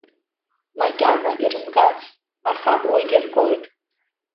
Макьана ирымгацт, аха уигьы ргоит.